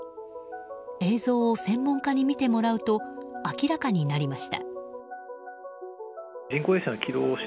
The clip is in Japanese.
映像を専門家に見てもらうと明らかになりました。